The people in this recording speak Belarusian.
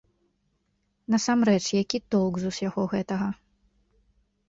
Насамрэч, які толк з усяго гэтага?